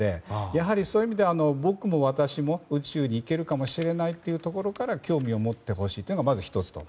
やはりそういう意味でも僕も私も宇宙に行けるかもしれないというところから興味を持ってほしいというのがまず１つ。